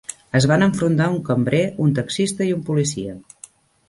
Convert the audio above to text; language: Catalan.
Es van enfrontar un cambrer, un taxista i un policia.